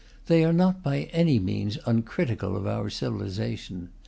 They are not by any means uncritical of our civilization.